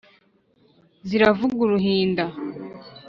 Ziravuga uruhinda